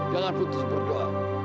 jangan putus berdoa